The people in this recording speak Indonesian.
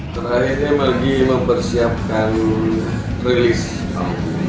terakhirnya lagi mempersiapkan release album